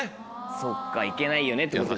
そっか行けないよねってことか。